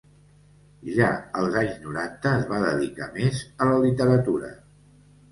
Ja als anys noranta es va dedicar més a la literatura.